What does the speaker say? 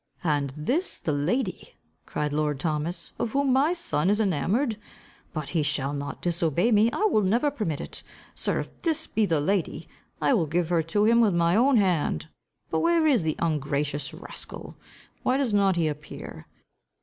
"And is this the lady," cried lord Thomas, "of whom my son is enamoured? But he shall not disobey me. I will never permit it. Sir, if this be the lady, I will give her to him with my own hand. But where is the ungracious rascal? Why does not he appear?"